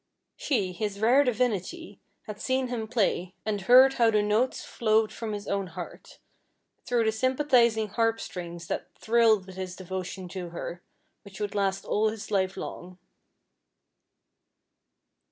She, his rare divinity, had seen him play, and heard how the notes flowed from his own heart, through the sympathizing harp strings that thrilled with his devotion to her, which would last all his life long.